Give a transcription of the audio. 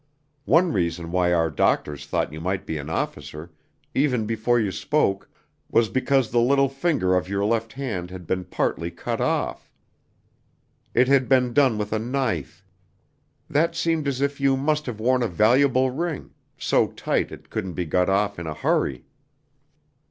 One reason why our doctors thought you might be an officer, even before you spoke, was because the little finger of your left hand had been partly cut off. It had been done with a knife. That seemed as if you must have worn a valuable ring, so tight it couldn't be got off in a hurry."